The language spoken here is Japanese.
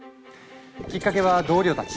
きっかけは同僚たち。